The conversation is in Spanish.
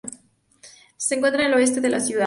Se encuentra al este de la ciudad.